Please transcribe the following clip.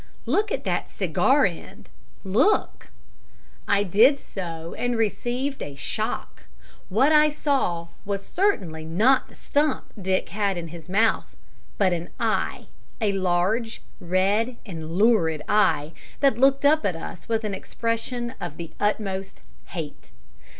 Look at that cigar end look!' "I did so, and received a shock. What I saw was certainly not the stump Dick had had in his mouth, but an eye a large, red and lurid eye that looked up at us with an expression of the utmost hate.